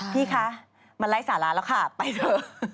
พี่คะมันไร้สาระแล้วค่ะไปเถอะ